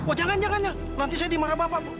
oh jangan jangan ya nanti saya dimarah bapak bu